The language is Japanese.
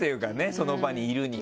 その場にいるには。